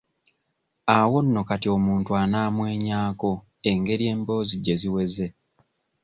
Awo nno kati omuntu anaamwenyaako engeri emboozi gye ziweze.